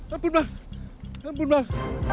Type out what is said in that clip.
ya ampun bang